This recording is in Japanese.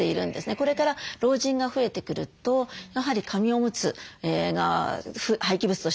これから老人が増えてくるとやはり紙オムツが廃棄物として増えてくる。